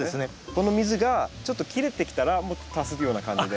この水がちょっと切れてきたらもっと足すような感じで？